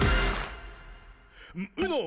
「ウノ！